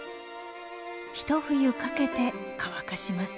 一冬かけて乾かします。